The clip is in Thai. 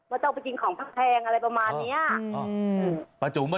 มาเจ้ากินของแพงอะไรประมาณเนี้ย